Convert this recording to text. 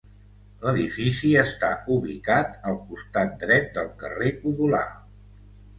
L'edifici està ubicat al costat dret del carrer Codolar.